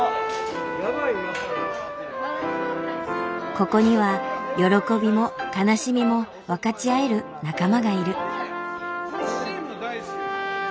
ここには喜びも悲しみも分かち合える仲間がいる。